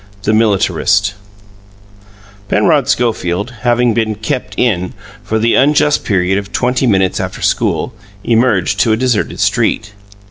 THE MILITARIST PENROD SCHOFIELD, having been "kept in" for the unjust period of twenty minutes after school, emerged to a deserted street.